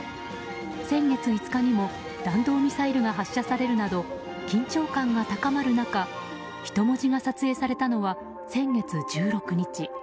先月５日にも弾道ミサイルが発射されるなど緊張感が高まる中人文字が撮影されたのは先月１６日。